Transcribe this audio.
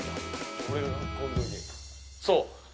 そう。